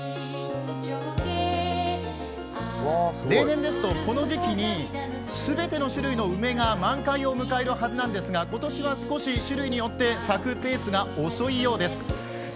例年ですとこの時期に全ての種類の梅が満開を迎えるはずなんですが今年は少し種類によって咲くペースが遅いようです。